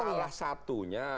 itu kan salah satunya